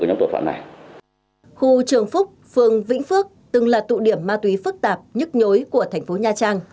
khu trường phúc phường vĩnh phước từng là tụ điểm ma túy phức tạp nhức nhối của thành phố nha trang